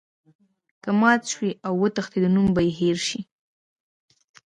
که مات شو او وتښتیدی نوم به یې هیر شو.